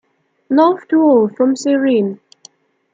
Love to all from Seren.